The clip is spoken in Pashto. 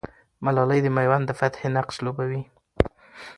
ملالۍ د مېوند د فتحې نقش لوبوي.